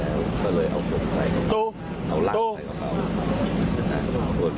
แล้วก็เอาคนแข่งเข้ามาที่พัทยาน